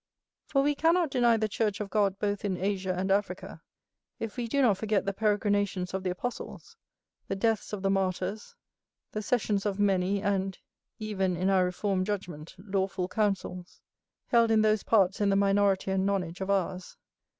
For we cannot deny the church of God both in Asia and Africa, if we do not forget the peregrinations of the apostles, the deaths of the martyrs, the sessions of many and (even in our reformed judgment) lawful councils, held in those parts in the minority and nonage of ours.